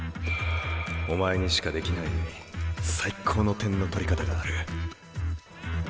お前にしかできない最高の点の取り方がある。